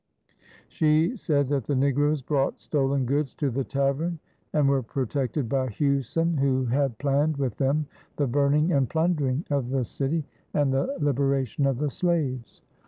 She said that the negroes brought stolen goods to the tavern and were protected by Hughson, who had planned with them the burning and plundering of the city and the liberation of the slaves.